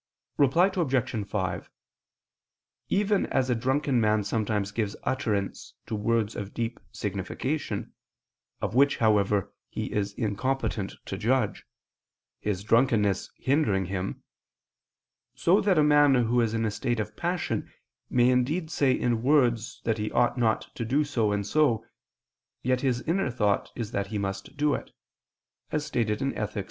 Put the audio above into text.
Reply Obj. 5: Even as a drunken man sometimes gives utterance to words of deep signification, of which, however, he is incompetent to judge, his drunkenness hindering him; so that a man who is in a state of passion, may indeed say in words that he ought not to do so and so, yet his inner thought is that he must do it, as stated in _Ethic.